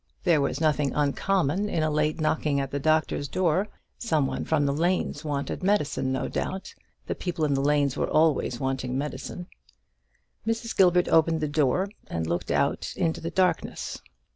There was nothing uncommon in a late knocking at the doctor's door, some one from the lanes wanted medicine, no doubt; the people in the lanes were always wanting medicine. Mrs. Gilbert opened the door, and looked out into the darkness.